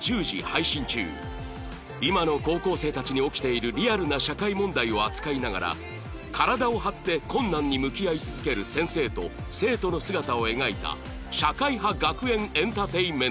今の高校生たちに起きているリアルな社会問題を扱いながら体を張って困難に向き合い続ける先生と生徒の姿を描いた社会派学園エンターテインメント